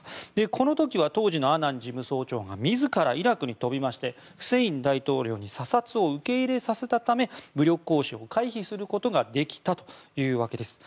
この時は当時のアナン事務総長が自らイラクに飛びましてフセイン大統領に査察を受け入れさせたため武力行使を回避することができたというわけです。